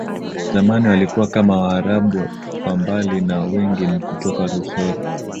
zamani walikuwa kama Waarabu kwa mbali na wengi ni kutoka Rusori